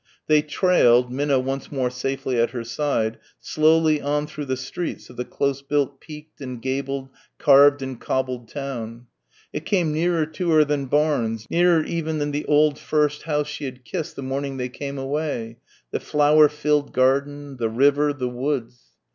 They trailed, Minna once more safely at her side, slowly on through the streets of the close built peaked and gabled, carved and cobbled town. It came nearer to her than Barnes, nearer even than the old first house she had kissed the morning they came away the flower filled garden, the river, the woods.